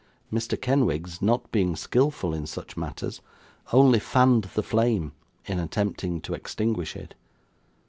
Mr. Kenwigs, not being skilful in such matters, only fanned the flame in attempting to extinguish it.